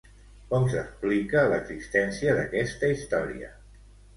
Com s'explica l'existència d'aquesta història?